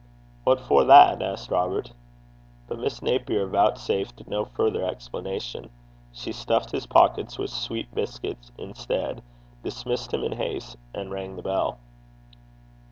'What for that?' asked Robert. But Miss Napier vouchsafed no further explanation. She stuffed his pockets with sweet biscuits instead, dismissed him in haste, and rang the bell.